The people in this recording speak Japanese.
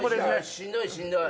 しんどいしんどい。